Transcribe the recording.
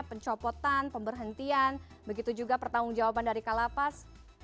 pencopotan pemberhentian begitu juga pertanggung jawaban dari kalapas